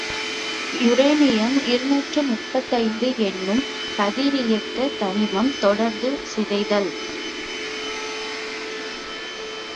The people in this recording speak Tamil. யுரேனியம் இருநூற்று முப்பத்தைந்து என்னும் கதிரியக்கத் தனிமம் தொடர்ந்து சிதைதல்.